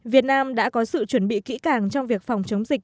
việt nam đã có sự chuẩn bị kỹ càng trong việc phòng chống dịch